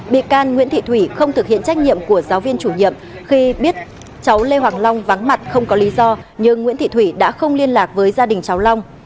bị can nguyễn thị thủy không thực hiện trách nhiệm của giáo viên chủ nhiệm khi biết cháu lê hoàng long vắng mặt không có lý do nhưng nguyễn thị thủy đã không liên lạc với gia đình cháu long